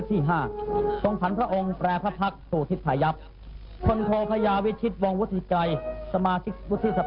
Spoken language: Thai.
จากนั้นเวลา๑๑นาฬิกาเศรษฐ์พระธินั่งไพรศาลพักศิลป์